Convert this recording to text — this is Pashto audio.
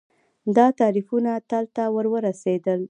دا تعریفونه تل ته ورورسېدل